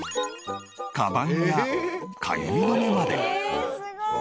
カバンやかゆみ止めまで。